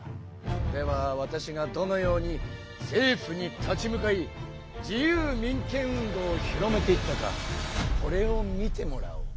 ではわたしがどのように政府に立ち向かい自由民権運動を広めていったかこれを見てもらおう。